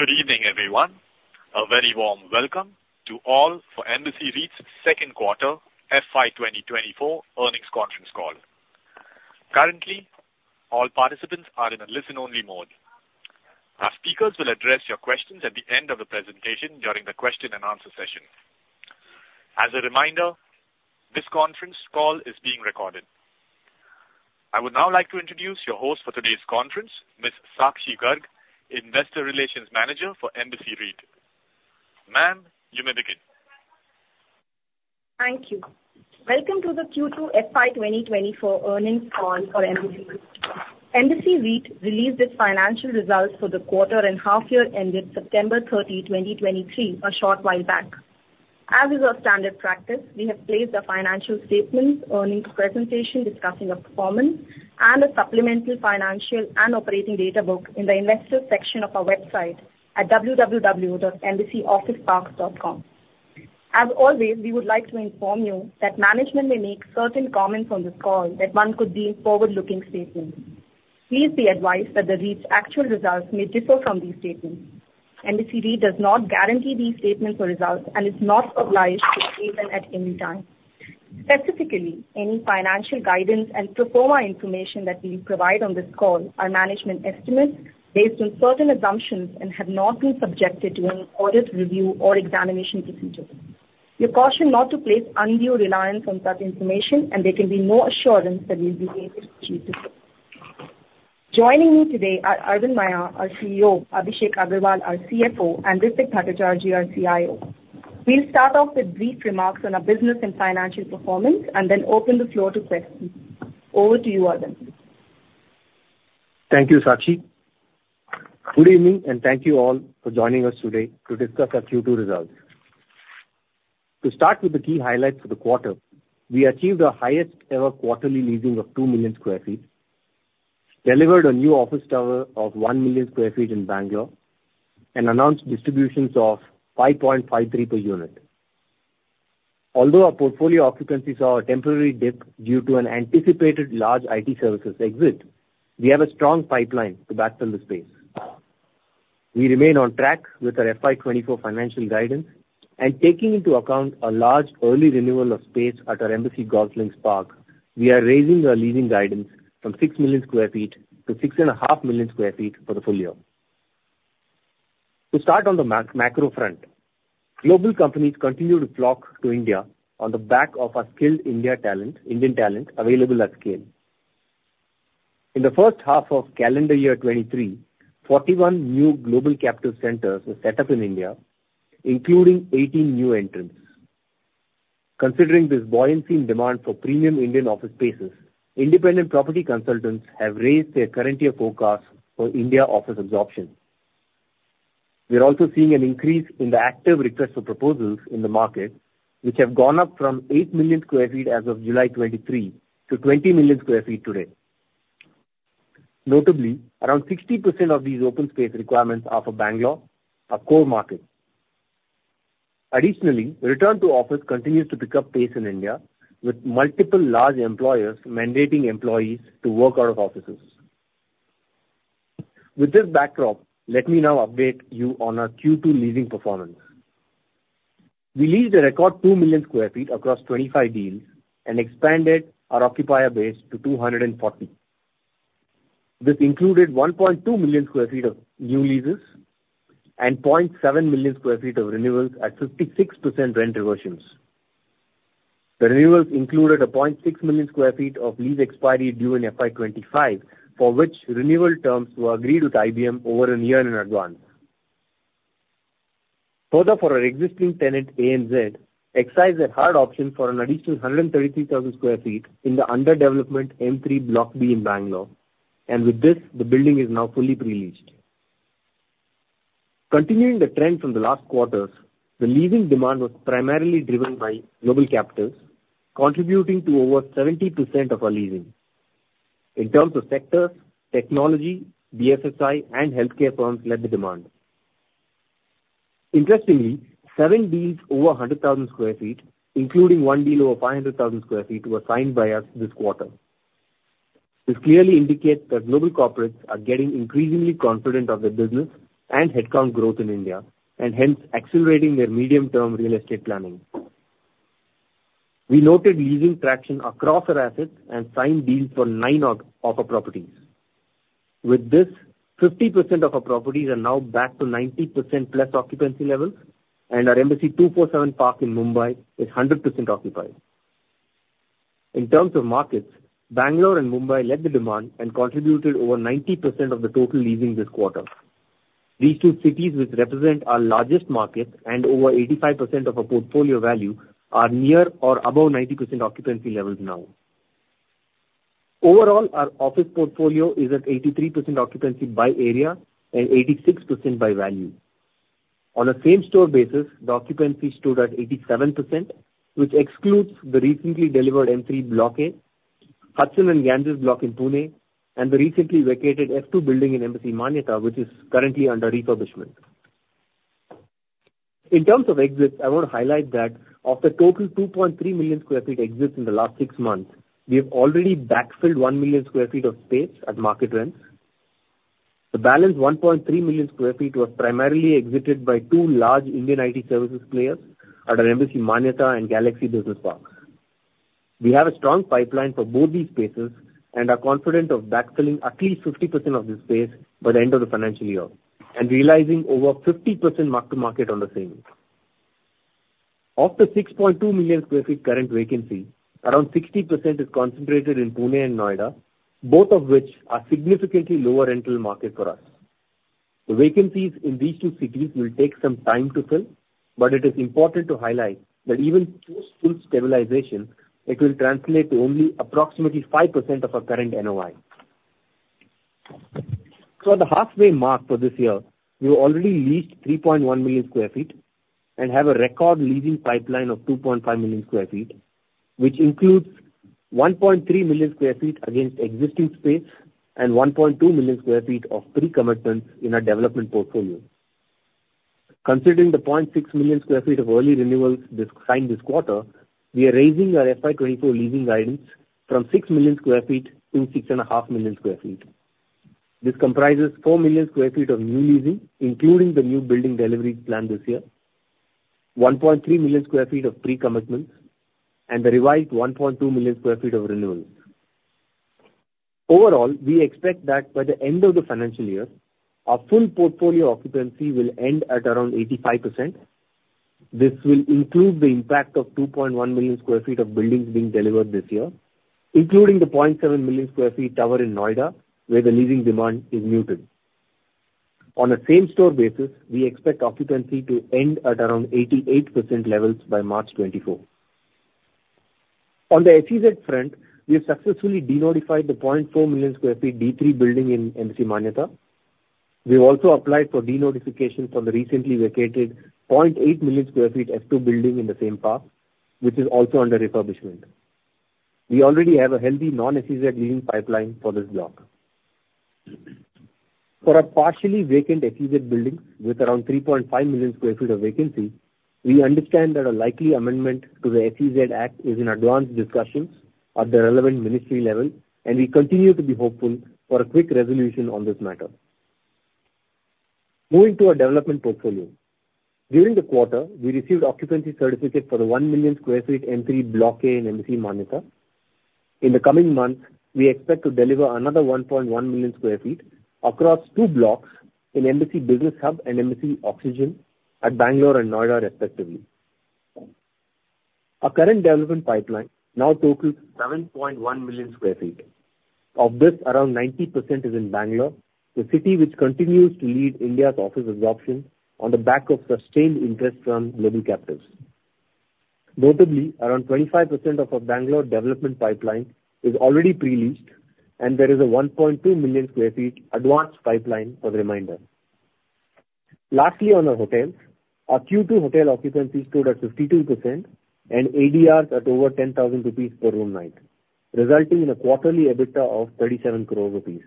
Good evening, everyone. A very warm welcome to all for Embassy REIT's second quarter FY 2024 earnings conference call. Currently, all participants are in a listen-only mode. Our speakers will address your questions at the end of the presentation during the question and answer session. As a reminder, this conference call is being recorded. I would now like to introduce your host for today's conference, Miss Sakshi Garg, Investor Relations Manager for Embassy REIT. Ma'am, you may begin. Thank you. Welcome to the Q2 FY 2024 earnings call for Embassy REIT. Embassy REIT released its financial results for the quarter and half year ended September 30, 2023, a short while back. As is our standard practice, we have placed our financial statements, earnings presentation discussing our performance, and a supplemental financial and operating data book in the investors section of our website at www.embassyofficeparks.com. As always, we would like to inform you that management may make certain comments on this call that one could deem forward-looking statements. Please be advised that the REIT's actual results may differ from these statements. Embassy REIT does not guarantee these statements or results and is not obliged to update them at any time. Specifically, any financial guidance and pro forma information that we provide on this call are management estimates based on certain assumptions and have not been subjected to any audit review or examination procedures. We caution not to place undue reliance on such information, and there can be no assurance that we'll be able to achieve the same. Joining me today are Aravind Maiya, our CEO, Abhishek Agrawal, our CFO, and Ritwik Bhattacharjee, our CIO. We'll start off with brief remarks on our business and financial performance, and then open the floor to questions. Over to you, Aravind. Thank you, Sakshi. Good evening, and thank you all for joining us today to discuss our Q2 results. To start with the key highlights for the quarter, we achieved our highest ever quarterly leasing of 2 million sq ft, delivered a new office tower of 1 million sq ft in Bangalore, and announced distributions of 5.53 per unit. Although our portfolio occupancy saw a temporary dip due to an anticipated large IT services exit, we have a strong pipeline to backfill the space. We remain on track with our FY 2024 financial guidance, and taking into account a large early renewal of space at our Embassy GolfLinks Business Park, we are raising our leasing guidance from 6 million sq ft to 6.5 million sq ft for the full year. To start on the macro front, global companies continue to flock to India on the back of our skilled Indian talent available at scale. In the first half of calendar year 2023, 41 new Global Capital Centers were set up in India, including 18 new entrants. Considering this buoyancy in demand for premium Indian office spaces, independent property consultants have raised their current year forecast for India office absorption. We are also seeing an increase in the active requests for proposals in the market, which have gone up from 8 million sq ft as of July 2023 to 20 million sq ft today. Notably, around 60% of these open space requirements are for Bangalore, our core market. Additionally, return to office continues to pick up pace in India, with multiple large employers mandating employees to work out of offices. With this backdrop, let me now update you on our Q2 leasing performance. We leased a record 2 million sq ft across 25 deals and expanded our occupier base to 240. This included 1.2 million sq ft of new leases and 0.7 million sq ft of renewals at 56% rent reversions. The renewals included a 0.6 million sq ft of lease expiry due in FY 2025, for which renewal terms were agreed with IBM over a year in advance. Further, for our existing tenant, ANZ, exercised their hard option for an additional 133,000 sq ft in the under development M3 Block B in Bangalore, and with this, the building is now fully pre-leased. Continuing the trend from the last quarters, the leasing demand was primarily driven by global capitals, contributing to over 70% of our leasing. In terms of sectors, technology, BFSI, and healthcare firms led the demand. Interestingly, 7 deals over 100,000 sq ft, including one deal over 500,000 sq ft, were signed by us this quarter. This clearly indicates that global corporates are getting increasingly confident of their business and headcount growth in India, and hence accelerating their medium-term real estate planning. We noted leasing traction across our assets and signed deals for nine of our properties. With this, 50% of our properties are now back to 90%+ occupancy levels, and our Embassy 247 Park in Mumbai is 100% occupied. In terms of markets, Bangalore and Mumbai led the demand and contributed over 90% of the total leasing this quarter. These two cities, which represent our largest market and over 85% of our portfolio value, are near or above 90% occupancy levels now. Overall, our office portfolio is at 83% occupancy by area and 86% by value. On a same-store basis, the occupancy stood at 87%, which excludes the recently delivered M3 Block A, Hudson and Ganges Block in Pune, and the recently vacated F2 building in Embassy Manyata, which is currently under refurbishment. In terms of exits, I want to highlight that of the total 2.3 million sq ft exits in the last six months, we have already backfilled 1 million sq ft of space at market rents. The balance 1.3 million sq ft was primarily exited by two large Indian IT services players at our Embassy Manyata and Galaxy Business Park. We have a strong pipeline for both these spaces, and are confident of backfilling at least 50% of this space by the end of the financial year, and realizing over 50% mark-to-market on the same. Of the 6.2 million sq ft current vacancy, around 60% is concentrated in Pune and Noida, both of which are significantly lower rental market for us. The vacancies in these two cities will take some time to fill, but it is important to highlight that even full, full stabilization, it will translate to only approximately 5% of our current NOI. So at the halfway mark for this year, we've already leased 3.1 million sq ft and have a record leasing pipeline of 2.5 million sq ft, which includes 1.3 million sq ft against existing space and 1.2 million sq ft of pre-commitments in our development portfolio. Considering the 0.6 million sq ft of early renewals signed this quarter, we are raising our FY2024 leasing guidance from 6 million sq ft to 6.5 million sq ft. This comprises 4 million sq ft of new leasing, including the new building deliveries planned this year, 1.3 million sq ft of pre-commitments, and the revised 1.2 million sq ft of renewals. Overall, we expect that by the end of the financial year, our full portfolio occupancy will end at around 85%. This will include the impact of 2.1 million sq ft of buildings being delivered this year, including the 0.7 million sq ft tower in Noida, where the leasing demand is muted. On a same-store basis, we expect occupancy to end at around 88% levels by March 2024. On the SEZ front, we have successfully denotified the 0.4 million sq ft D3 building in Embassy Manyata. We've also applied for denotification from the recently vacated 0.8 million sq ft F2 building in the same park, which is also under refurbishment. We already have a healthy non-SEZ leasing pipeline for this block. For our partially vacant SEZ buildings, with around 3.5 million sq ft of vacancy, we understand that a likely amendment to the SEZ Act is in advanced discussions at the relevant ministry level, and we continue to be hopeful for a quick resolution on this matter. Moving to our development portfolio. During the quarter, we received occupancy certificate for the 1 million sq ft M3 Block A in Embassy Manyata. In the coming months, we expect to deliver another 1.1 million sq ft across two blocks in Embassy Business Hub and Embassy Oxygen at Bangalore and Noida, respectively. Our current development pipeline now totals 7.1 million sq ft. Of this, around 90% is in Bangalore, the city which continues to lead India's office absorption on the back of sustained interest from global capitals. Notably, around 25% of our Bangalore development pipeline is already pre-leased, and there is a 1.2 million sq ft advanced pipeline for the remainder. Lastly, on our hotels, our Q2 hotel occupancy stood at 52% and ADRs at over 10,000 rupees per room night, resulting in a quarterly EBITDA of 37 crore rupees.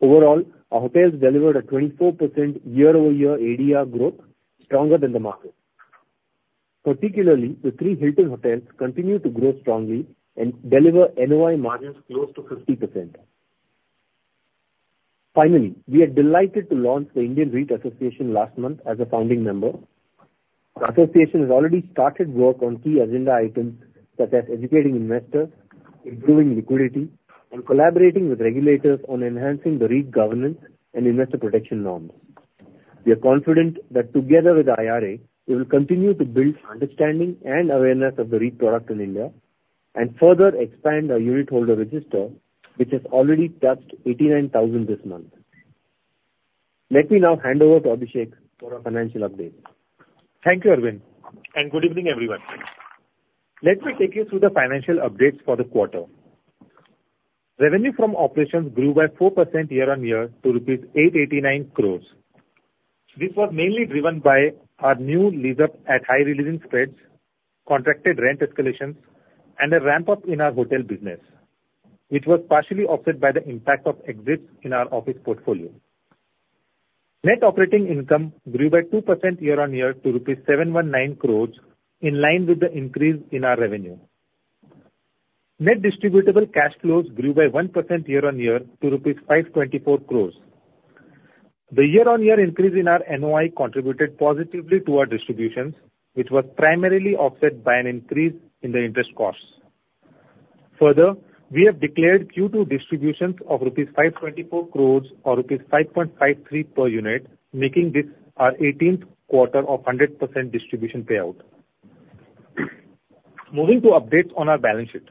Overall, our hotels delivered a 24% year-over-year ADR growth, stronger than the market. Particularly, the three Hilton hotels continue to grow strongly and deliver NOI margins close to 50%. Finally, we are delighted to launch the Indian REIT Association last month as a founding member. The association has already started work on key agenda items, such as educating investors, improving liquidity, and collaborating with regulators on enhancing the REIT governance and investor protection norms. We are confident that together with IRA, we will continue to build understanding and awareness of the REIT product in India and further expand our unitholder register, which has already touched 89,000 this month. Let me now hand over to Abhishek for our financial update. Thank you, Aravind, and good evening, everyone. Let me take you through the financial updates for the quarter. Revenue from operations grew by 4% year-on-year to 889 crores. This was mainly driven by our new lease up at high leasing spreads, contracted rent escalations, and a ramp up in our hotel business, which was partially offset by the impact of exits in our office portfolio. Net operating income grew by 2% year-on-year to rupees 719 crores, in line with the increase in our revenue. Net distributable cash flows grew by 1% year-on-year to rupees 524 crores. The year-on-year increase in our NOI contributed positively to our distributions, which was primarily offset by an increase in the interest costs. Further, we have declared Q2 distributions of rupees 524 crore or rupees 5.53 per unit, making this our 18th quarter of 100% distribution payout. Moving to updates on our balance sheet.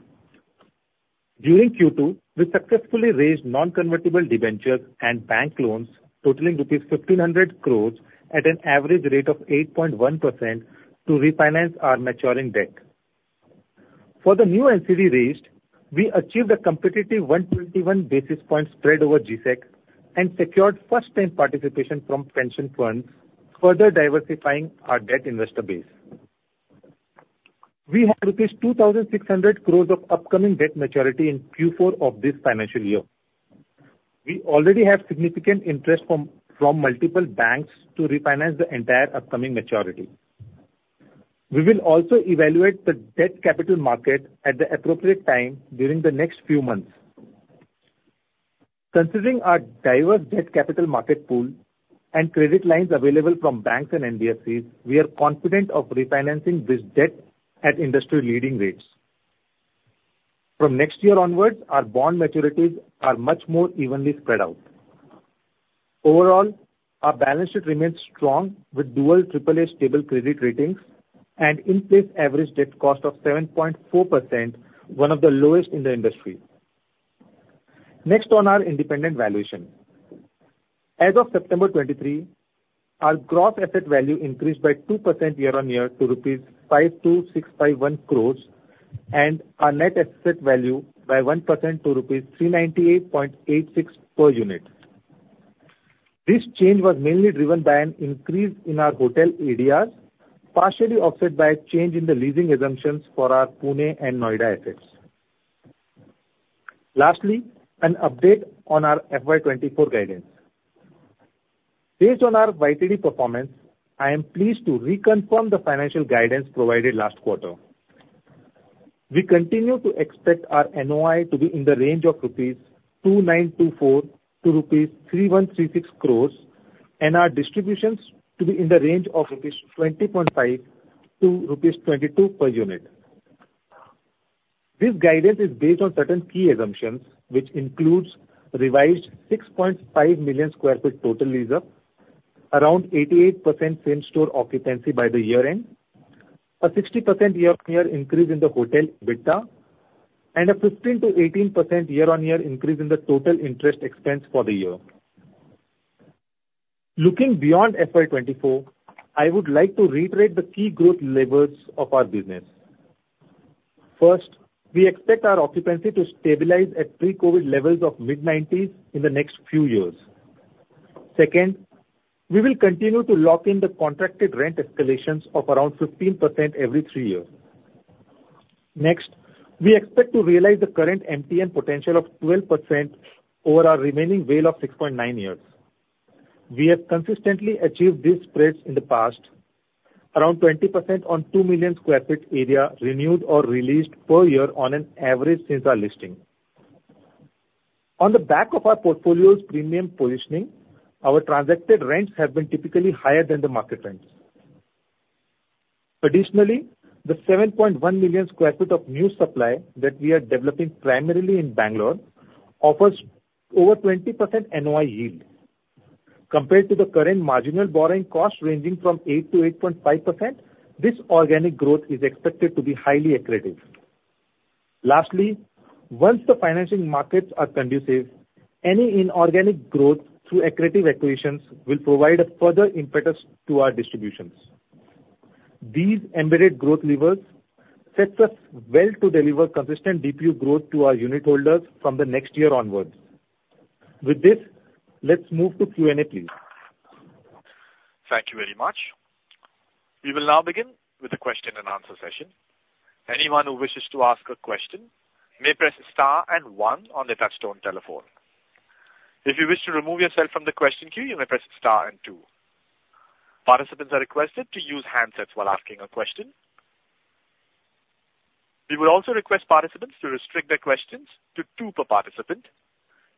During Q2, we successfully raised non-convertible debentures and bank loans totaling rupees 1,500 crore at an average rate of 8.1% to refinance our maturing debt. For the new NCD raised, we achieved a competitive 121 basis point spread over GSEC and secured first time participation from pension funds, further diversifying our debt investor base. We have rupees 2,600 crore of upcoming debt maturity in Q4 of this financial year. We already have significant interest from multiple banks to refinance the entire upcoming maturity. We will also evaluate the debt capital market at the appropriate time during the next few months. Considering our diverse debt capital market pool and credit lines available from banks and NBFCs, we are confident of refinancing this debt at industry-leading rates. From next year onwards, our bond maturities are much more evenly spread out. Overall, our balance sheet remains strong, with dual AAA stable credit ratings and in-place average debt cost of 7.4%, one of the lowest in the industry. Next on our independent valuation. As of September 2023, our gross asset value increased by 2% year-on-year to rupees 52,651 crores, and our net asset value by 1% to rupees 398.86 per unit. This change was mainly driven by an increase in our hotel ADRs, partially offset by a change in the leasing assumptions for our Pune and Noida assets. Lastly, an update on our FY 2024 guidance. Based on our YTD performance, I am pleased to reconfirm the financial guidance provided last quarter. We continue to expect our NOI to be in the range of 2,924 crores-3,136 crores rupees, and our distributions to be in the range of 20.5-22 rupees per unit. This guidance is based on certain key assumptions, which includes revised 6.5 million sq ft total leaseup, around 88% same store occupancy by the year-end, a 60% year-on-year increase in the hotel EBITDA, and a 15%-18% year-on-year increase in the total interest expense for the year. Looking beyond FY 2024, I would like to reiterate the key growth levers of our business. First, we expect our occupancy to stabilize at pre-COVID levels of mid-90s in the next few years. Second, we will continue to lock in the contracted rent escalations of around 15% every 3 years. Next, we expect to realize the current MTM potential of 12% over our remaining WALE of 6.9 years. We have consistently achieved these spreads in the past, around 20% on 2 million sq ft area renewed or released per year on an average since our listing. On the back of our portfolio's premium positioning, our transacted rents have been typically higher than the market rents. Additionally, the 7.1 million sq ft of new supply that we are developing primarily in Bangalore, offers over 20% NOI yield. Compared to the current marginal borrowing cost, ranging from 8%-8.5%, this organic growth is expected to be highly accretive. Lastly, once the financing markets are conducive, any inorganic growth through accretive acquisitions will provide a further impetus to our distributions. These embedded growth levers sets us well to deliver consistent DPU growth to our unit holders from the next year onwards. With this, let's move to Q&A, please. Thank you very much. We will now begin with the question-and-answer session. Anyone who wishes to ask a question may press star and one on their touchtone telephone. If you wish to remove yourself from the question queue, you may press star and two. Participants are requested to use handsets while asking a question. We will also request participants to restrict their questions to two per participant.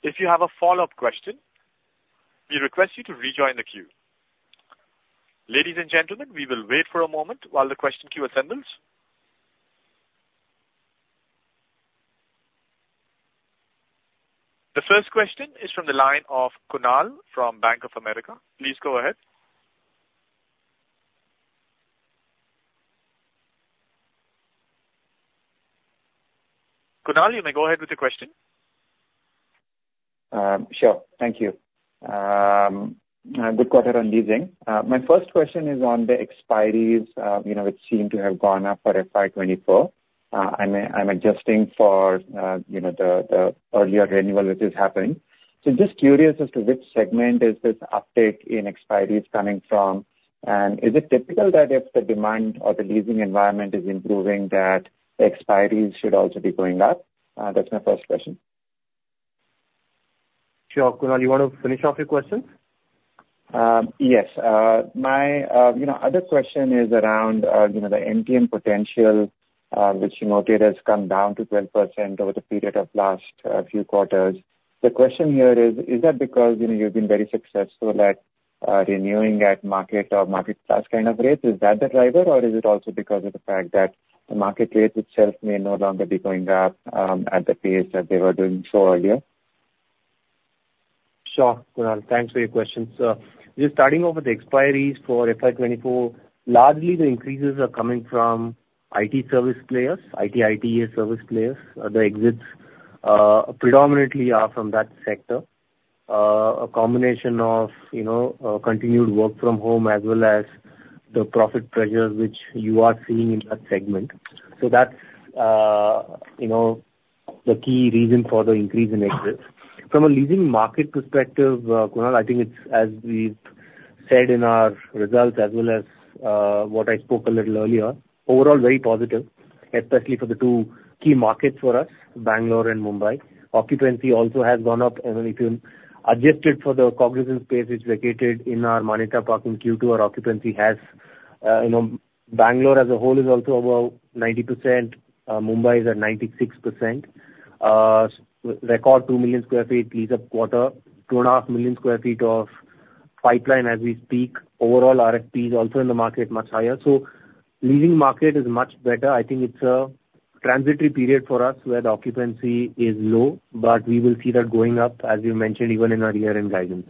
If you have a follow-up question, we request you to rejoin the queue. Ladies and gentlemen, we will wait for a moment while the question queue assembles. The first question is from the line of Kunal from Bank of America. Please go ahead. Kunal, you may go ahead with your question. Sure. Thank you. Good quarter on leasing. My first question is on the expiries, you know, which seem to have gone up for FY24. I'm adjusting for, you know, the earlier renewal which is happening. So just curious as to which segment is this uptick in expiries coming from, and is it typical that if the demand or the leasing environment is improving, that the expiries should also be going up? That's my first question. Sure, Kunal. You want to finish off your question? Yes. My you know other question is around you know the MTM potential which you noted has come down to 12% over the period of last few quarters. The question here is: Is that because you know you've been very successful at renewing at market or market plus kind of rates? Is that the driver? Or is it also because of the fact that the market rates itself may no longer be going up at the pace that they were doing so earlier? Sure, Kunal, thanks for your questions. Just starting off with the expiries for FY 2024, largely the increases are coming from IT service players, IT/ITES service players. The exits predominantly are from that sector. A combination of, you know, continued work from home, as well as the profit pressures which you are seeing in that segment. So that's, you know-... the key reason for the increase in exits. From a leasing market perspective, Kunal, I think it's as we've said in our results as well as what I spoke a little earlier, overall very positive, especially for the two key markets for us, Bangalore and Mumbai. Occupancy also has gone up, and if you adjust it for the Cognizant space it's vacated in our Manyata Park in Q2, our occupancy has, you know, Bangalore as a whole is also about 90%, Mumbai is at 96%. Record 2 million sq ft lease of quarter, 2.5 million sq ft of pipeline as we speak. Overall, RFP is also in the market, much higher. So leasing market is much better. I think it's a transitory period for us, where the occupancy is low, but we will see that going up, as we mentioned, even in our year-end guidance.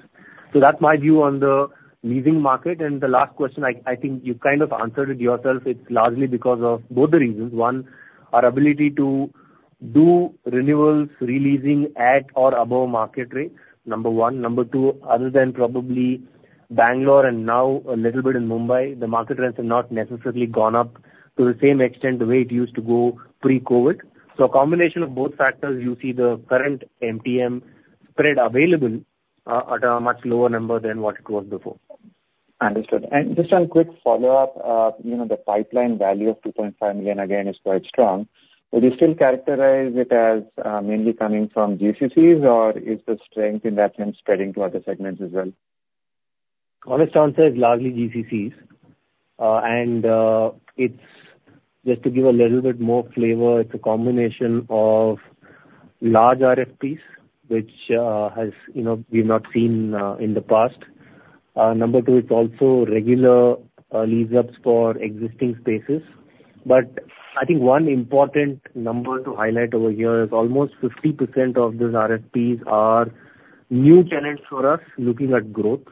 So that's my view on the leasing market. The last question, I, I think you kind of answered it yourself. It's largely because of both the reasons. One, our ability to do renewals, re-leasing at or above market rate, number one. Number two, other than probably Bangalore and now a little bit in Mumbai, the market rents have not necessarily gone up to the same extent the way it used to go pre-COVID. So a combination of both factors, you see the current MTM spread available, at a much lower number than what it was before. Understood. And just one quick follow-up. You know, the pipeline value of 2.5 million again is quite strong. Would you still characterize it as mainly coming from GCCs, or is the strength in that sense spreading to other segments as well? Honest answer is largely GCCs. And it's just to give a little bit more flavor, it's a combination of large RFPs which has, you know, we've not seen in the past. Number two, it's also regular lease ups for existing spaces. But I think one important number to highlight over here is almost 50% of those RFPs are new tenants for us, looking at growth,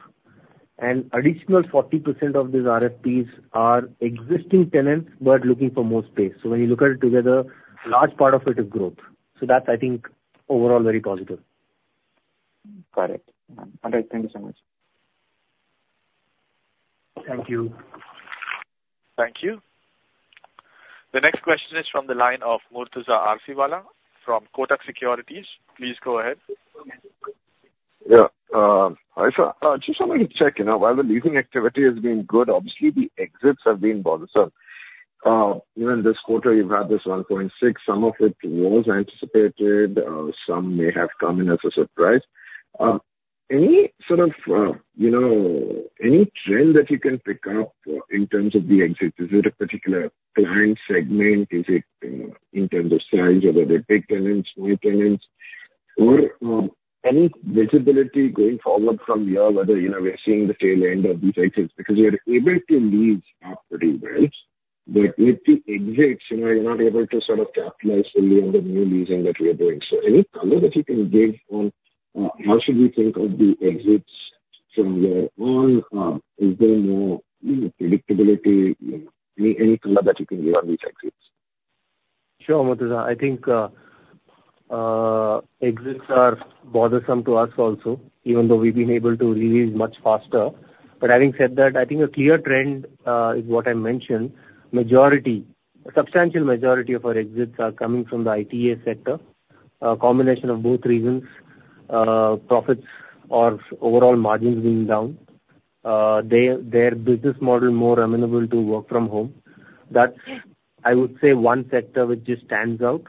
and additional 40% of these RFPs are existing tenants, but looking for more space. So when you look at it together, large part of it is growth. So that's, I think, overall very positive. Got it. All right, thank you so much. Thank you. Thank you. The next question is from the line of Murtuza Arsiwalla from Kotak Securities. Please go ahead. Yeah, hi, sir. Just wanted to check, you know, while the leasing activity has been good, obviously the exits have been bothersome. Even this quarter, you've had this 1.6, some of it was anticipated, some may have come in as a surprise. Any sort of, you know, any trend that you can pick up in terms of the exit? Is it a particular client segment? Is it, you know, in terms of size, whether they're big tenants, new tenants, or, any visibility going forward from here, whether, you know, we are seeing the tail end of these exits? Because we are able to lease out pretty well, but with the exits, you know, you're not able to sort of capitalize fully on the new leasing that we are doing. Any color that you can give on how should we think of the exits from there on? Is there more, you know, predictability, you know, any color that you can give on these exits? Sure, Murtuza. I think exits are bothersome to us also, even though we've been able to re-lease much faster. But having said that, I think a clear trend is what I mentioned. Majority, a substantial majority of our exits are coming from the IT/ITES sector. A combination of both reasons, profits or overall margins being down. Their business model more amenable to work from home. That's, I would say, one sector which just stands out,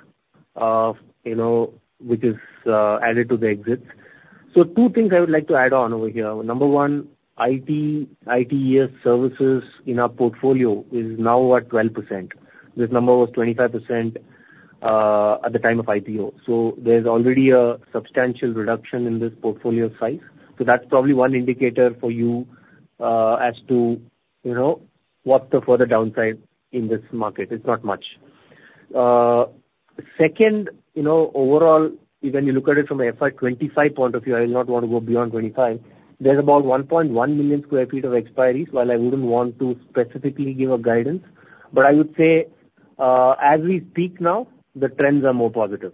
you know, which is added to the exits. So two things I would like to add on over here. Number one, IT/ITES services in our portfolio is now at 12%. This number was 25%, at the time of IPO. So there's already a substantial reduction in this portfolio size. So that's probably one indicator for you, as to, you know, what's the further downside in this market? It's not much. Second, you know, overall, when you look at it from a FY 25 point of view, I will not want to go beyond 25. There's about 1.1 million sq ft of expiries. While I wouldn't want to specifically give a guidance, but I would say, as we speak now, the trends are more positive.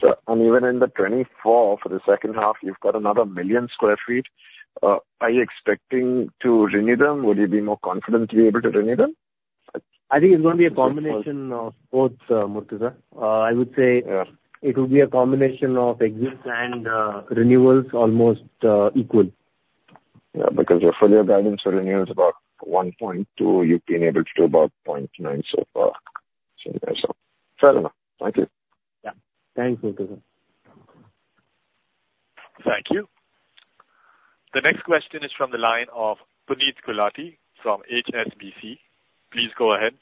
So, and even in the 2024, for the second half, you've got another 1 million sq ft. Are you expecting to renew them? Would you be more confident to be able to renew them? I think it's going to be a combination of both, Murtuza. I would say- Yeah. It will be a combination of exits and renewals, almost equal. Yeah, because your full year guidance for renew is about 1.2. You've been able to do about 0.9 so far. So fair enough. Thank you. Yeah. Thanks, Murtuza. Thank you. The next question is from the line of Puneet Gulati from HSBC. Please go ahead.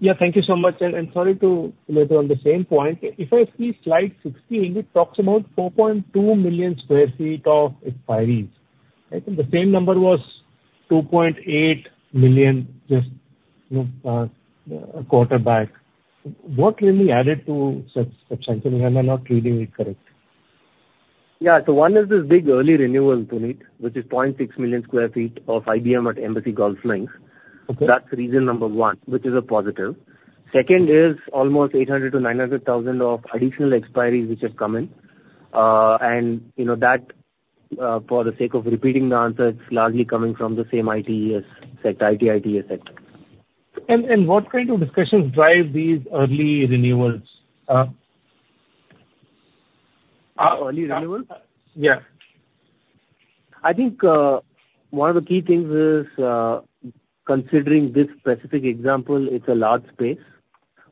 Yeah, thank you so much, and, and sorry to maybe on the same point. If I see slide 16, it talks about 4.2 million sq ft of expiries. I think the same number was 2.8 million, just, you know, a quarter back. What really added to such, such something? Am I not reading it correct? Yeah. So one is this big early renewal, Puneet, which is 0.6 million sq ft of IBM at Embassy GolfLinks. Okay. That's reason number one, which is a positive. Second is almost 800-900 thousand of additional expiries which have come in. And you know, for the sake of repeating the answer, it's largely coming from the same IT/ITES sector, IT, IT sector. And what kind of discussions drive these early renewals? Early renewals? Yeah. I think, one of the key things is, considering this specific example, it's a large space.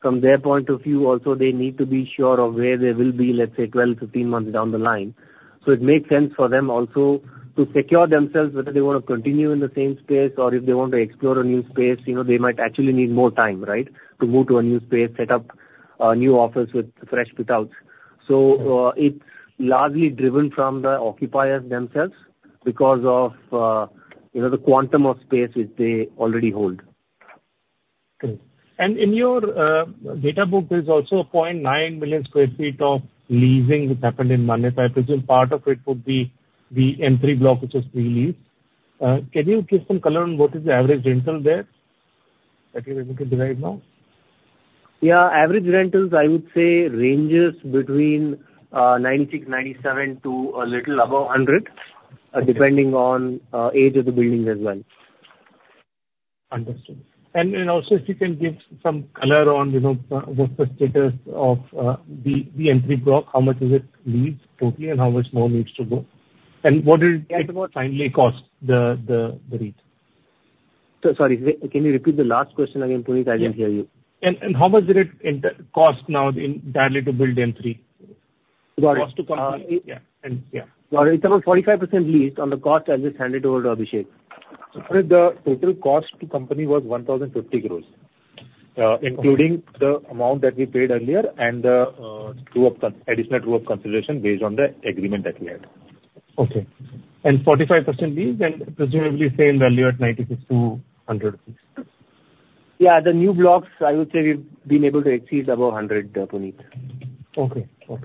From their point of view also, they need to be sure of where they will be, let's say, 12, 15 months down the line. So it makes sense for them also to secure themselves, whether they want to continue in the same space or if they want to explore a new space, you know, they might actually need more time, right? To move to a new space, set up a new office with fresh fit outs. So, it's largely driven from the occupiers themselves because of, you know, the quantum of space which they already hold. Okay. And in your data book, there's also 0.9 million sq ft of leasing which happened in Manyata. I presume part of it would be the M3 Block, which is pre-leased. Can you give some color on what is the average rental there, that you're able to derive now? Yeah. Average rentals, I would say ranges between 96-97 to a little above 100, depending on age of the buildings as well. Understood. And also, if you can give some color on, you know, what's the status of the M3 Block, how much is it leased totally, and how much more needs to go? And what did it finally cost, the REIT? So sorry. Can you repeat the last question again, Puneet? I didn't hear you. Yeah. And how much did it cost now in total to build M3? Got it. Yeah. And yeah. Got it. It's about 45% leased. On the cost, I'll just hand it over to Abhishek. So the total cost to company was 1,050 crore, including the amount that we paid earlier and the additional true-up consideration based on the agreement that we had. Okay. And 45% leased and presumably same value at 96-100 rupees. Yeah. The new blocks, I would say we've been able to exceed above 100, Puneet. Okay. Okay.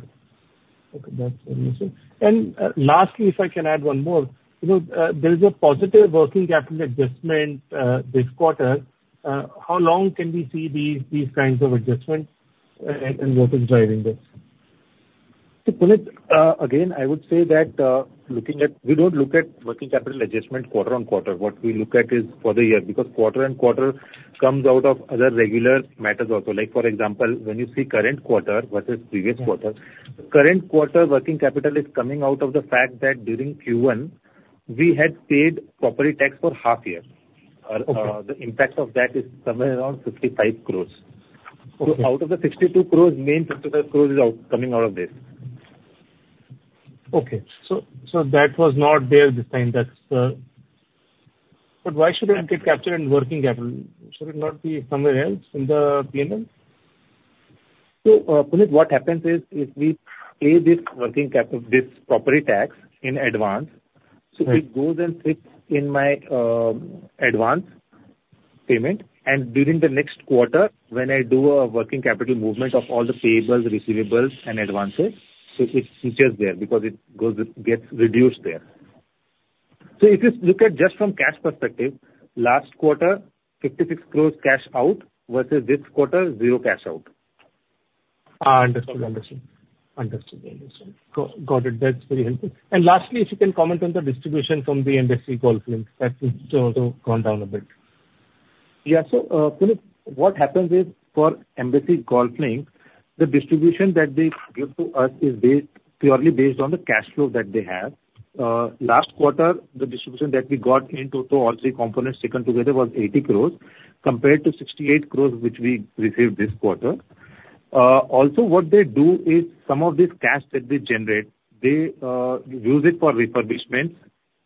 Okay, that's amazing. And, lastly, if I can add one more, you know, there is a positive working capital adjustment, this quarter. How long can we see these, these kinds of adjustments, and what is driving this? So, Puneet, again, I would say that, looking at... We don't look at working capital adjustment quarter on quarter. What we look at is for the year, because quarter and quarter comes out of other regular matters also. Like, for example, when you see current quarter versus previous quarter, current quarter working capital is coming out of the fact that during Q1, we had paid property tax for half year. Okay. The impact of that is somewhere around 55 crore. Okay. So out of the 62 crore, main 55 crore is out, coming out of this. Okay. So, that was not there this time. That's. But why should it get captured in working capital? Should it not be somewhere else in the P&L? So, Puneet, what happens is we pay this working capital, this property tax, in advance. Right. So it goes and sits in my advance payment. And during the next quarter, when I do a working capital movement of all the payables, receivables, and advances, so it features there because it goes, it gets reduced there. So if you look at just from cash perspective, last quarter, 56 crore cash out, versus this quarter, 0 cash out. Ah, understood. Understood. Understood, understood. Got it. That's very helpful. And lastly, if you can comment on the distribution from the Embassy Golf Links, that's also gone down a bit. Yeah. So, Puneet, what happens is, for Embassy Golf Links, the distribution that they give to us is based, purely based on the cash flow that they have. Last quarter, the distribution that we got in total, all three components taken together, was 80 crore, compared to 68 crore, which we received this quarter. Also, what they do is some of this cash that they generate, use it for refurbishments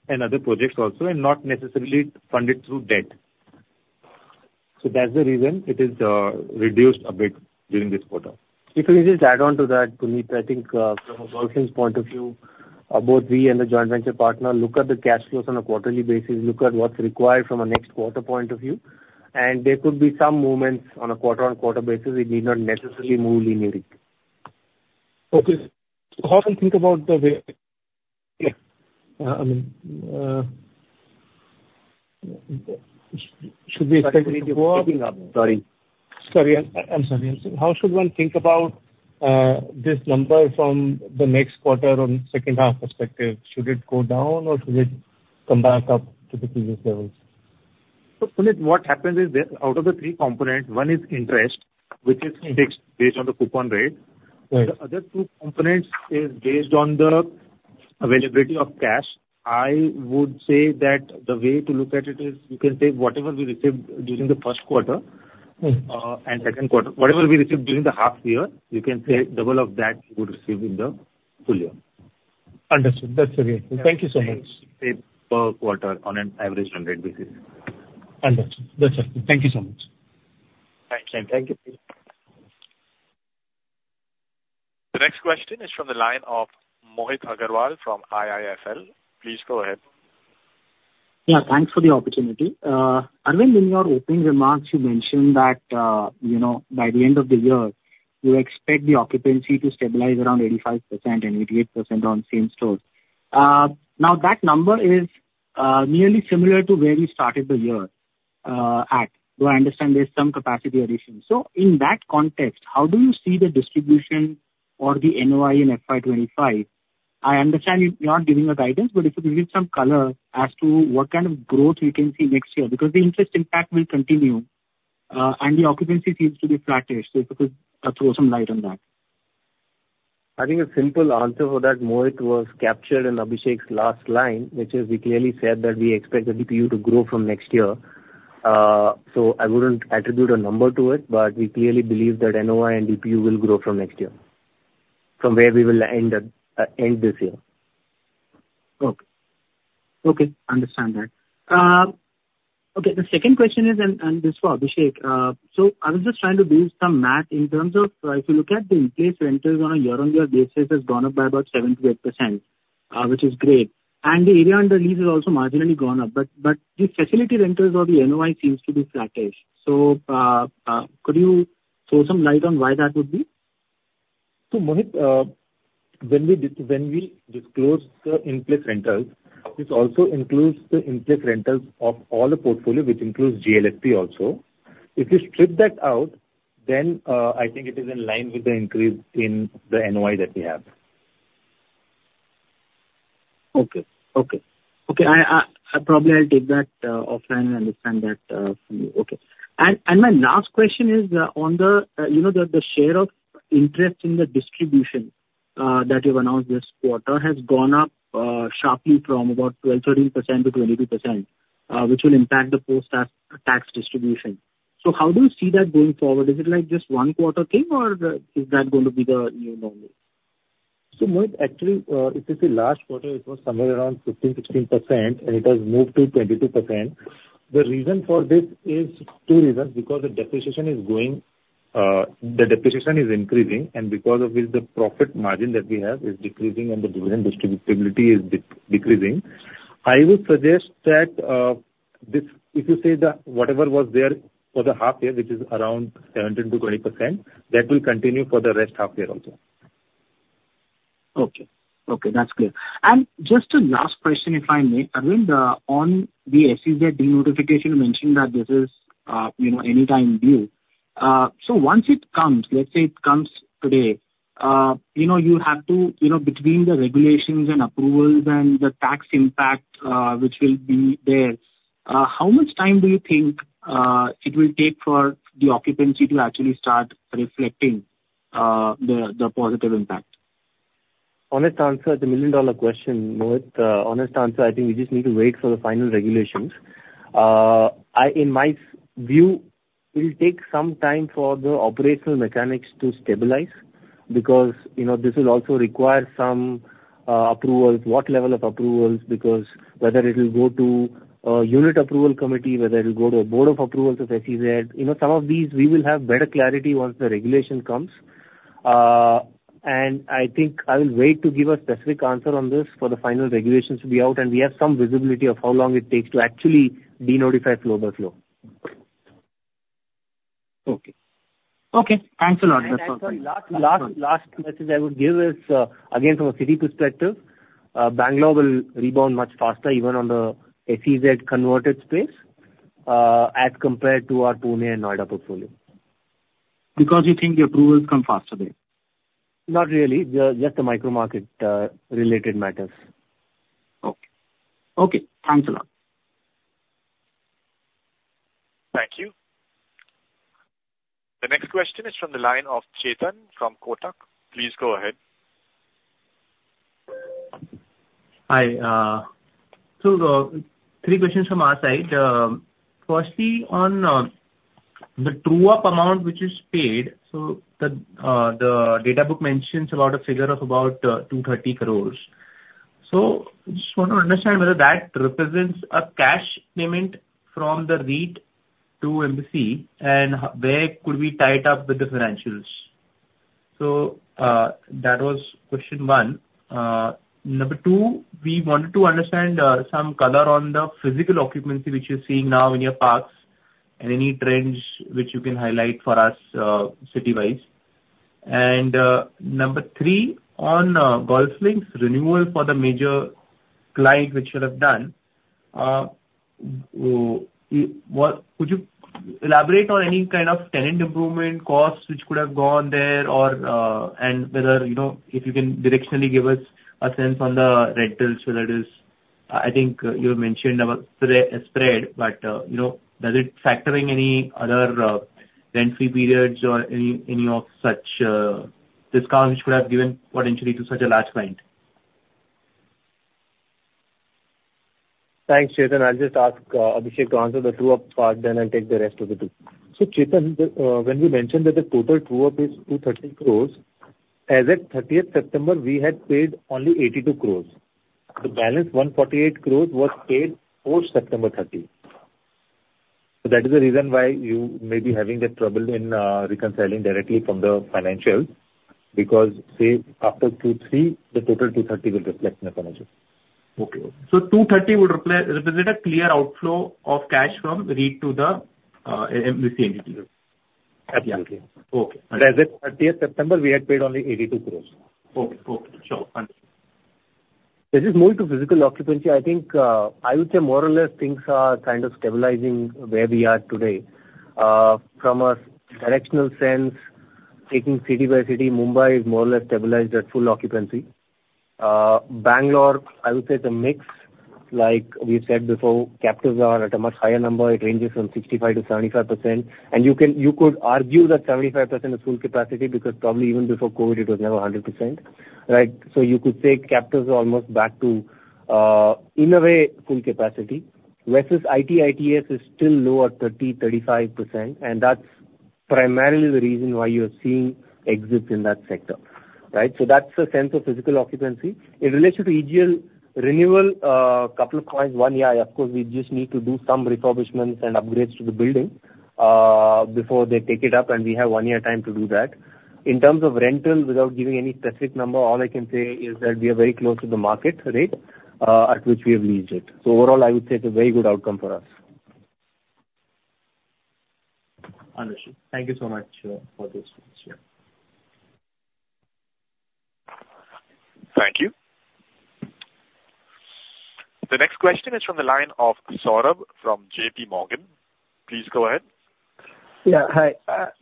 and other projects also, and not necessarily fund it through debt. So that's the reason it is reduced a bit during this quarter. If we just add on to that, Puneet, I think, from a working point of view, both we and the joint venture partner look at the cash flows on a quarterly basis, look at what's required from a next quarter point of view, and there could be some movements on a quarter-on-quarter basis. It need not necessarily move linearly. Okay. So how do you think about the way...? Yeah. I mean, should we expect it to go up- Sorry, sorry. Sorry, I'm, I'm sorry. How should one think about this number from the next quarter on second half perspective? Should it go down or should it come back up to the previous levels? So Puneet, what happens is this, out of the three components, one is interest, which is indexed based on the coupon rate. Right. The other two components is based on the availability of cash. I would say that the way to look at it is, you can take whatever we received during the first quarter and second quarter. Whatever we received during the half year, you can say double of that you would receive in the full year. Understood. That's okay. Thank you so much. Per quarter on an average 100 basis. Understood. That's okay. Thank you so much. Thank you. Thank you. The next question is from the line of Mohit Agarwal from IIFL. Please go ahead. Yeah, thanks for the opportunity. Arvind, in your opening remarks, you mentioned that, you know, by the end of the year, you expect the occupancy to stabilize around 85% and 88% on same store. Now, that number is nearly similar to where you started the year, though I understand there's some capacity addition. So in that context, how do you see the distribution or the NOI in FY 2025? I understand you, you're not giving us guidance, but if you could give some color as to what kind of growth we can see next year. Because the interest impact will continue, and the occupancy seems to be flattish. So if you could throw some light on that. I think a simple answer for that, Mohit, was captured in Abhishek's last line, which is he clearly said that we expect the DPU to grow from next year. So I wouldn't attribute a number to it, but we clearly believe that NOI and DPU will grow from next year, from where we will end up, end this year. Okay. Okay, understand that. Okay, the second question is, and, and this is for Abhishek. So I was just trying to do some math in terms of, if you look at the in-place rentals on a year-on-year basis has gone up by about 7%-8%, which is great. And the area under lease has also marginally gone up, but, but the facility rentals or the NOI seems to be flattish. So, could you throw some light on why that would be? So, Mohit, when we disclose the in-place rentals, this also includes the in-place rentals of all the portfolio, which includes GLSP also. If you strip that out, then, I think it is in line with the increase in the NOI that we have. Okay, okay. Okay, I probably I'll take that offline and understand that from you. Okay. And my last question is on the, you know, the share of interest in the distribution that you've announced this quarter has gone up sharply from about 12, 13% to 22%, which will impact the post-tax tax distribution. So how do you see that going forward? Is it like just one quarter thing or is that going to be the new normal? So, Mohit, actually, if you see last quarter, it was somewhere around 15, 16%, and it has moved to 22%. The reason for this is two reasons: because the depreciation is going, the depreciation is increasing, and because of this, the profit margin that we have is decreasing and the dividend distributability is decreasing. I would suggest that, this, if you say the, whatever was there for the half year, which is around 17%-20%, that will continue for the rest of half year also. Okay. Okay, that's clear. And just a last question, if I may. Aravind, on the SEZ denotification, you mentioned that this is, you know, any time due. So once it comes, let's say it comes today, you know, you have to, you know, between the regulations and approvals and the tax impact, which will be there, how much time do you think it will take for the occupancy to actually start reflecting, the positive impact? Honest answer, it's a million-dollar question, Mohit. Honest answer, I think we just need to wait for the final regulations. In my view, it will take some time for the operational mechanics to stabilize because, you know, this will also require some approvals, what level of approvals, because whether it will go to a unit approval committee, whether it will go to a board of approvals of SEZ. You know, some of these we will have better clarity once the regulation comes. And I think I will wait to give a specific answer on this for the final regulations to be out, and we have some visibility of how long it takes to actually denotify floor by floor. Okay. Okay, thanks a lot. That's all- One last message I would give is, again, from a city perspective, Bangalore will rebound much faster even on the SEZ converted space, as compared to our Pune and Noida portfolio. Because you think the approvals come faster there? Not really. Just, just the micromarket, related matters. Okay. Okay, thanks a lot. Thank you. The next question is from the line of Chetan from Kotak. Please go ahead. Hi, so three questions from our side. Firstly, on the true-up amount which is paid, so the data book mentions about a figure of about 230 crore. So just want to understand whether that represents a cash payment from the REIT to Embassy, and where could we tie it up with the financials? So that was question one. Number two, we wanted to understand some color on the physical occupancy which you're seeing now in your parks, and any trends which you can highlight for us, city-wise. And number three, on GolfLinks's renewal for the major client which you have done, what... Could you elaborate on any kind of tenant improvement costs which could have gone there or, and whether, you know, if you can directionally give us a sense on the rentals, whether it is, I think you had mentioned about spread, but, you know, does it factoring any other, rent-free periods or any of such, discount which could have given potentially to such a large client? Thanks, Chetan. I'll just ask, Abhishek to answer the true-up part, then I'll take the rest of the two. So, Chetan, when we mentioned that the total true-up is 230 crore, as at thirtieth September, we had paid only 82 crore. The balance, 148 crore, was paid post September thirtieth. So that is the reason why you may be having that trouble in reconciling directly from the financials, because, say, after Q3, the total 230 crore will reflect in the financials. Okay. So 2.30 would represent a clear outflow of cash from REIT to the MBC entity? Absolutely. Okay. As at 30th September, we had paid only 82 crore. Okay, okay. Sure. Understood.... This is more to physical occupancy. I think, I would say more or less, things are kind of stabilizing where we are today. From a directional sense, taking city by city, Mumbai is more or less stabilized at full occupancy. Bangalore, I would say it's a mix. Like we said before, captives are at a much higher number. It ranges from 65%-75%. And you could argue that 75% is full capacity, because probably even before COVID, it was never 100%, right? So you could say captives are almost back to, in a way, full capacity, versus IT/ITES is still low at 30%-35%, and that's primarily the reason why you are seeing exits in that sector, right? So that's the sense of physical occupancy. In relation to EGL renewal, a couple of points. One, yeah, of course, we just need to do some refurbishments and upgrades to the building before they take it up, and we have one year time to do that. In terms of rental, without giving any specific number, all I can say is that we are very close to the market rate at which we have leased it. So overall, I would say it's a very good outcome for us. Understood. Thank you so much for this. Thank you. The next question is from the line of Saurabh from JP Morgan. Please go ahead. Yeah, hi.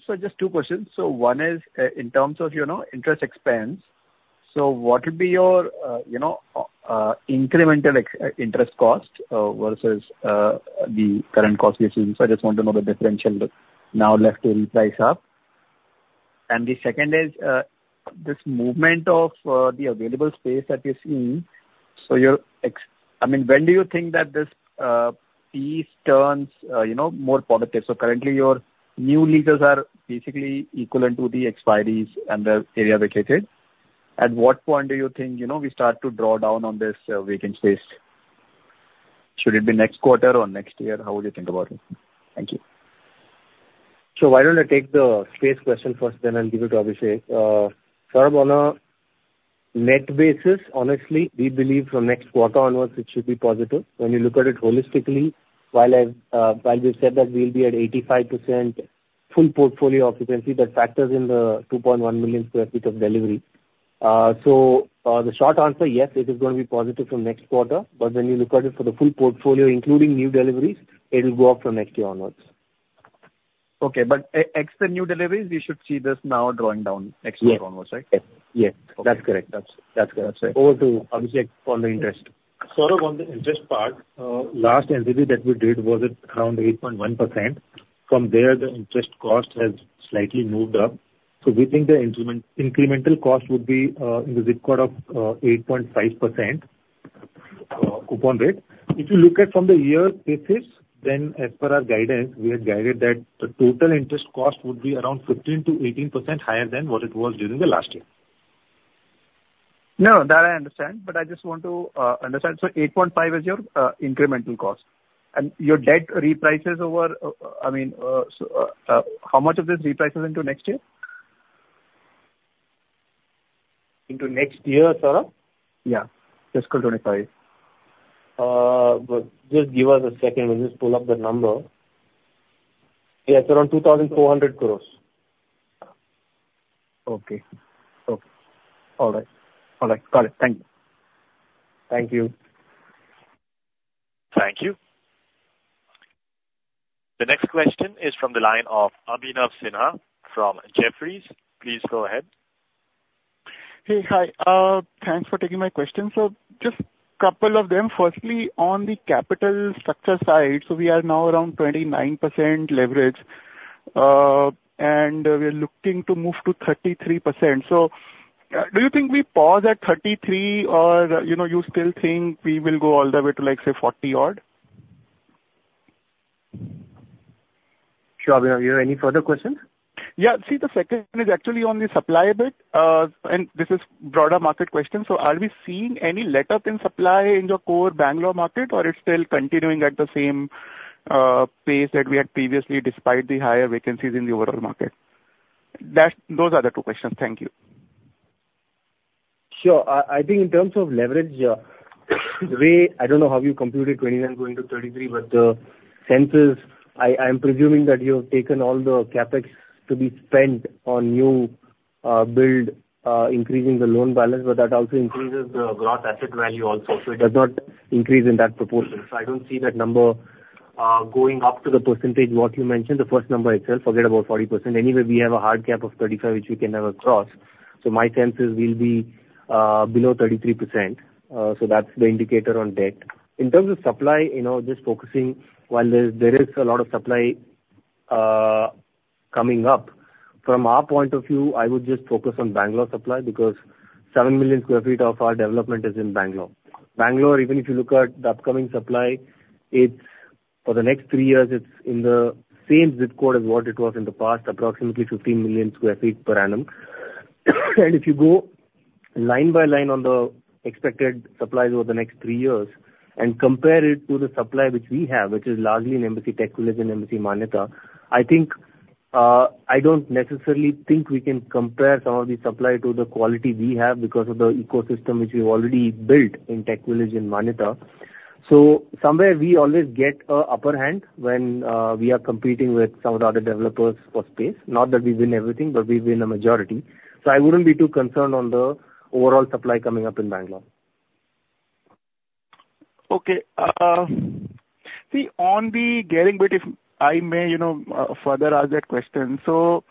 So just two questions. So one is, in terms of, you know, interest expense, so what would be your, you know, incremental interest cost, versus, the current cost you're seeing? So I just want to know the differential now left to reprice up. And the second is, this movement of, the available space that you're seeing. So you're I mean, when do you think that this, piece turns, you know, more positive? So currently your new leases are basically equivalent to the expiries and the area vacated. At what point do you think, you know, we start to draw down on this, vacant space? Should it be next quarter or next year? How would you think about it? Thank you. So why don't I take the space question first, then I'll give it to Abhishek. Saurabh, on a net basis, honestly, we believe from next quarter onwards, it should be positive. When you look at it holistically, while we've said that we'll be at 85% full portfolio occupancy, that factors in the 2.1 million sq ft of delivery. So, the short answer, yes, it is going to be positive from next quarter, but when you look at it for the full portfolio, including new deliveries, it'll go up from next year onwards. Okay. But except the new deliveries, we should see this now drawing down next year onwards, right? Yes. Yes, that's correct. That's, that's correct. Over to Abhishek on the interest. Saurabh, on the interest part, last entity that we did was at around 8.1%. From there, the interest cost has slightly moved up. So we think the incremental cost would be in the zip code of 8.5% coupon rate. If you look at from the year basis, then as per our guidance, we had guided that the total interest cost would be around 15-18 higher than what it was during the last year. No, that I understand, but I just want to understand. So 8.5 is your incremental cost, and your debt reprices over, I mean, so, how much of this reprices into next year? Into next year, Saurabh? Yeah, fiscal 25. Just give us a second. Let me just pull up the number. Yes, around INR 2,400 crore. Okay. Okay. All right. All right, got it. Thank you. Thank you. Thank you. The next question is from the line of Abhinav Sinha from Jefferies. Please go ahead. Hey, hi. Thanks for taking my question. So just couple of them. Firstly, on the capital structure side, so we are now around 29% leverage, and we are looking to move to 33%. So, do you think we pause at 33 or, you know, you still think we will go all the way to, like, say, 40-odd? Sure, Abhinav. You have any further questions? Yeah. See, the second one is actually on the supply bit. And this is broader market question: So are we seeing any letup in supply in your core Bangalore market, or it's still continuing at the same pace that we had previously, despite the higher vacancies in the overall market? That. Those are the two questions. Thank you. Sure. I think in terms of leverage, the way... I don't know how you computed 29 going to 33, but the sense is, I'm presuming that you have taken all the CapEx to be spent on new build, increasing the loan balance, but that also increases the gross asset value also, so it does not increase in that proportion. So I don't see that number going up to the percentage what you mentioned, the first number itself, forget about 40%. Anyway, we have a hard cap of 35, which we can never cross, so my sense is we'll be below 33%. So that's the indicator on debt. In terms of supply, you know, just focusing, while there's, there is a lot of supply, coming up, from our point of view, I would just focus on Bangalore supply because 7 million sq ft of our development is in Bangalore. Bangalore, even if you look at the upcoming supply, it's, for the next three years, it's in the same zip code as what it was in the past, approximately 15 million sq ft per annum. And if you go line by line on the expected supply over the next three years and compare it to the supply which we have, which is largely in Embassy TechVillage and Embassy Manyata, I think, I don't necessarily think we can compare some of the supply to the quality we have because of the ecosystem which we've already built in TechVillage and Manyata.... So somewhere we always get a upper hand when, we are competing with some of the other developers for space. Not that we win everything, but we win a majority. So I wouldn't be too concerned on the overall supply coming up in Bangalore. Okay. See, on the gearing bit, if I may, you know, further ask that question. So,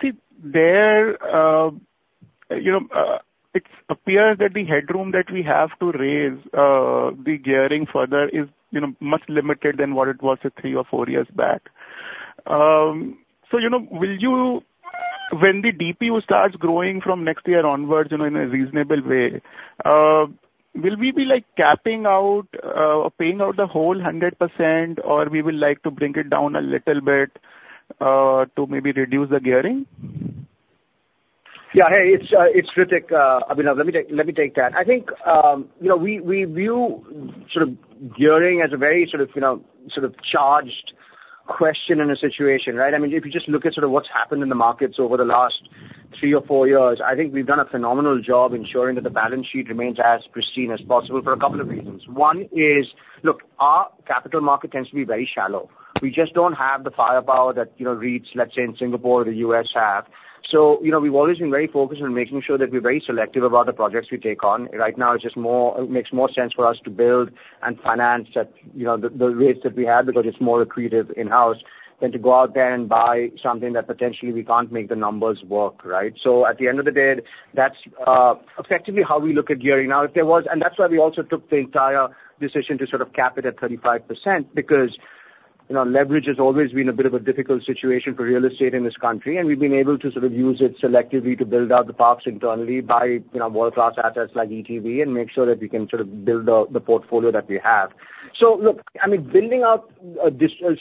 see, there, you know, it appears that the headroom that we have to raise the gearing further is, you know, much limited than what it was three or four years back. So, you know, will you, when the DPU starts growing from next year onwards, you know, in a reasonable way, will we be, like, capping out, or paying out the whole 100%, or we will like to bring it down a little bit, to maybe reduce the gearing? Yeah. Hey, it's Ritwik, Abhinav. Let me take, let me take that. I think, you know, we view sort of gearing as a very sort of, you know, sort of charged question in a situation, right? I mean, if you just look at sort of what's happened in the markets over the last three or four years, I think we've done a phenomenal job ensuring that the balance sheet remains as pristine as possible for a couple of reasons. One is, look, our capital market tends to be very shallow. We just don't have the firepower that, you know, REITs, let's say in Singapore or the U.S. have. So, you know, we've always been very focused on making sure that we're very selective about the projects we take on. Right now, it's just more—it makes more sense for us to build and finance at, you know, the rates that we have, because it's more accretive in-house than to go out there and buy something that potentially we can't make the numbers work, right? So at the end of the day, that's effectively how we look at gearing. Now, if there was... And that's why we also took the entire decision to sort of cap it at 35%, because, you know, leverage has always been a bit of a difficult situation for real estate in this country, and we've been able to sort of use it selectively to build out the parks internally, buy, you know, world-class assets like ETV, and make sure that we can sort of build out the portfolio that we have. So look, I mean,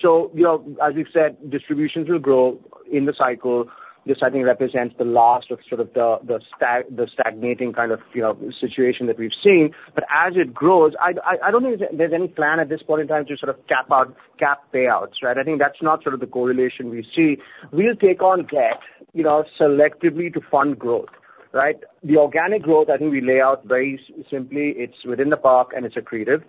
So, you know, as you said, distributions will grow in the cycle. This, I think, represents the last of sort of the stagnating kind of, you know, situation that we've seen. But as it grows, I don't think there's any plan at this point in time to sort of cap out, cap payouts, right? I think that's not sort of the correlation we see. We'll take on debt, you know, selectively to fund growth, right? The organic growth, I think we lay out very simply. It's within the park, and it's accretive.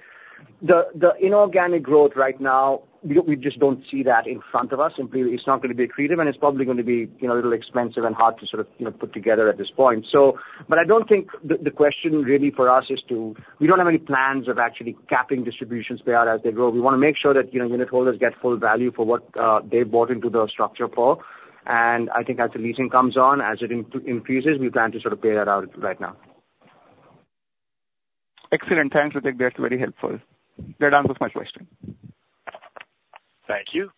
The inorganic growth right now, we just don't see that in front of us. Simply, it's not going to be accretive, and it's probably going to be, you know, a little expensive and hard to sort of, you know, put together at this point. So, but I don't think the question really for us is to... We don't have any plans of actually capping distributions payout as they grow. We want to make sure that, you know, unit holders get full value for what they bought into the structure for. And I think as the leasing comes on, as it increases, we plan to sort of pay that out right now. Excellent. Thanks, Ritwik. That's very helpful. That answers my question. Thank you.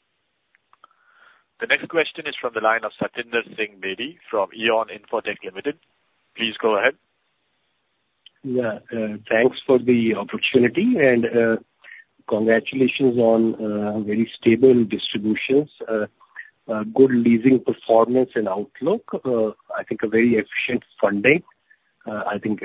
The next question is from the line of Satinder Singh Bedi from Eon Infotech Limited. Please go ahead. Yeah, thanks for the opportunity, and, congratulations on very stable distributions, good leasing performance and outlook. I think a very efficient funding. I think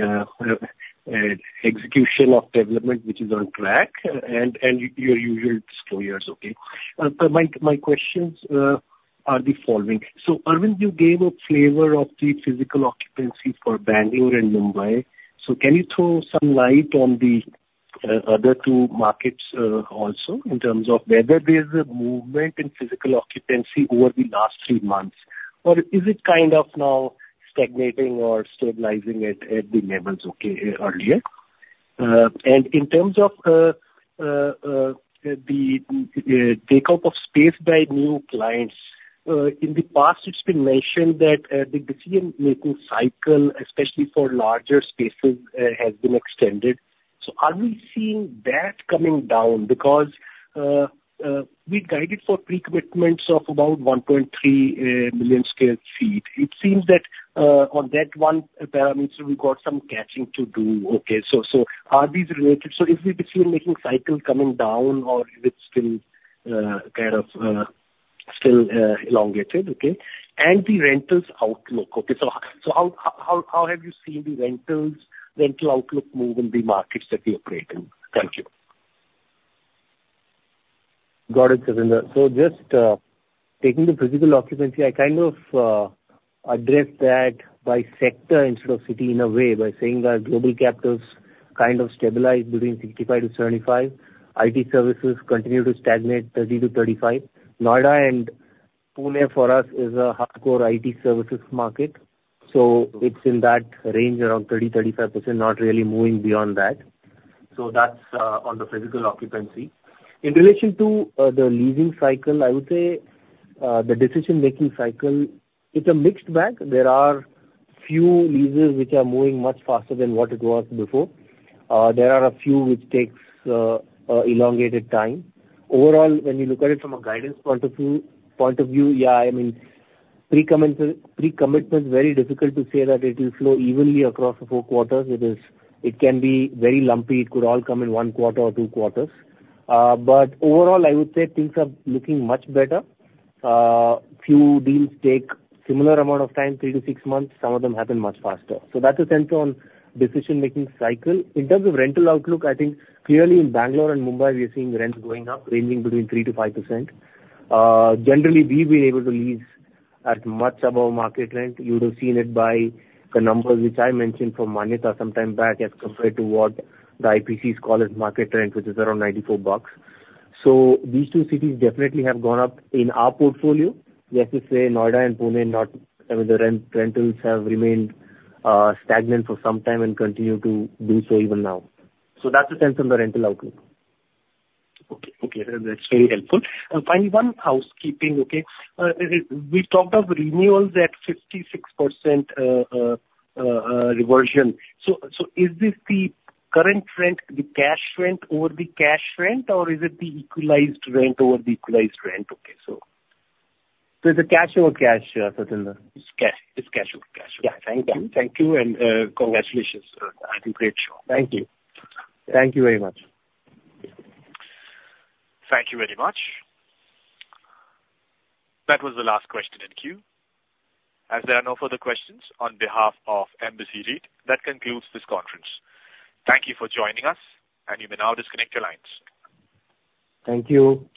execution of development, which is on track, and your usual disclosures, okay. But my questions are the following: So, Aravind, you gave a flavor of the physical occupancy for Bangalore and Mumbai. So can you throw some light on the other two markets, also, in terms of whether there's a movement in physical occupancy over the last three months? Or is it kind of now stagnating or stabilizing at the levels earlier? And in terms of the take-up of space by new clients, in the past, it's been mentioned that the decision-making cycle, especially for larger spaces, has been extended. So are we seeing that coming down? Because, we'd guided for pre-commitments of about 1.3 million sq ft. It seems that, on that one parameter, we've got some catching to do, okay. So, so are these related? So is the decision-making cycle coming down, or is it still, kind of, still, elongated, okay? And the rentals outlook, okay, so, so how, how, how have you seen the rentals, rental outlook move in the markets that we operate in? Thank you. Got it, Satinder. So just, taking the physical occupancy, I kind of, addressed that by sector instead of city in a way, by saying that global capitals kind of stabilized between 65%-75%. IT services continue to stagnate, 30%-35%. Noida and Pune for us is a hardcore IT services market, so it's in that range, around 30%-35%, not really moving beyond that. So that's, on the physical occupancy. In relation to, the leasing cycle, I would say, the decision-making cycle, it's a mixed bag. There are few leases which are moving much faster than what it was before. There are a few which takes, elongated time. Overall, when you look at it from a guidance point of view, yeah, I mean, pre-commitment, very difficult to say that it will flow evenly across the 4 quarters. It is. It can be very lumpy. It could all come in 1 quarter or 2 quarters. But overall, I would say things are looking much better. Few deals take similar amount of time, 3-6 months. Some of them happen much faster. So that's the sense on decision-making cycle. In terms of rental outlook, I think clearly in Bangalore and Mumbai, we are seeing rents going up, ranging between 3%-5%. Generally, we've been able to lease at much above market rent. You would have seen it by the numbers, which I mentioned from Manyata sometime back, as compared to what the IPC call as market rent, which is around INR 94. So these two cities definitely have gone up in our portfolio. We have to say, Noida and Pune, not, I mean, the rent- rentals have remained stagnant for some time and continue to do so even now. So that's the sense on the rental outlook. Okay. Okay, that's very helpful. Finally, one housekeeping, okay? We talked of renewals at 56%, reversion. So, is this the current rent, the cash rent over the cash rent, or is it the equalized rent over the equalized rent? Okay, so. It's a cash over cash, Satinder. It's cash, it's cash over cash. Yeah. Thank you. Thank you, and, congratulations on, I think, great job. Thank you. Thank you very much. Thank you very much. That was the last question in queue. As there are no further questions, on behalf of Embassy REIT, that concludes this conference. Thank you for joining us, and you may now disconnect your lines. Thank you.